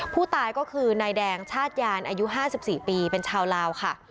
ผู้ตายก็คือนายแดงชาติยานอายุ๕๔ปีเป็นชาวลาวค่ะ